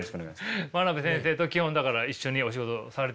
真鍋先生と基本だから一緒にお仕事されてるってことですよね。